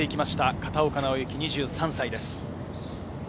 片岡尚之、２３歳です。